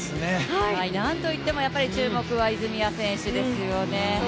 何と言っても注目は泉谷選手ですよね。